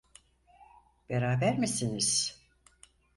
Beraber misiniz?